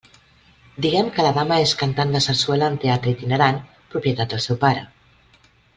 Diguem que la dama és cantant de sarsuela en teatre itinerant propietat del seu pare.